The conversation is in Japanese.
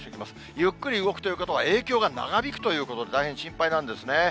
ゆっくり動くということは、影響が長引くということで、大変心配なんですね。